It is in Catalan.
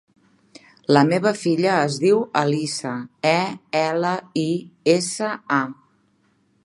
La meva filla es diu Elisa: e, ela, i, essa, a.